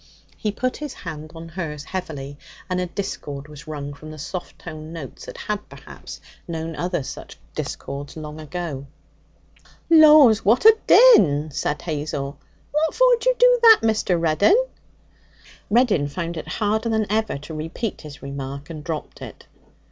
He put his hand on hers heavily, and a discord was wrung from the soft toned notes that had perhaps known other such discords long ago. 'Laws! what a din!' said Hazel. 'What for d'you do that, Mr. Reddin?' Reddin found it harder than ever to repeat his remark, and dropped it.